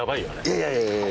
いやいやいやいや！